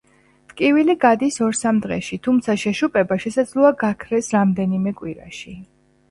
ტკივილი გადის ორ-სამ დღეში, თმცა შეშუპება შესაძლოა გაქრეს რამდენიმე კვირაში.